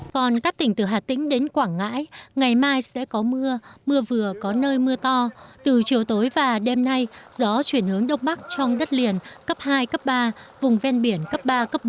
còn các tỉnh từ hà tĩnh đến quảng ngãi ngày mai sẽ có mưa mưa vừa có nơi mưa to từ chiều tối và đêm nay gió chuyển hướng đông bắc trong đất liền cấp hai cấp ba vùng ven biển cấp ba bốn